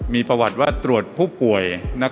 มีประวัติว่าตรวจผู้ป่วย